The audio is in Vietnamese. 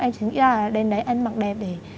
em chỉ nghĩ là đến đấy ăn mặc đẹp để